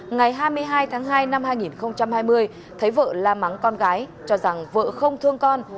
ngày hai mươi hai tháng hai năm hai nghìn hai mươi thấy vợ la mắng con gái cho rằng vợ không thương con